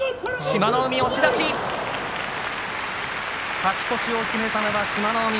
勝ち越しを決めたのは志摩ノ海。